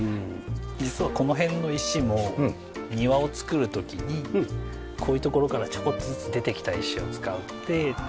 実はこの辺の石も庭を作る時にこういう所からちょこっとずつ出てきた石を使って。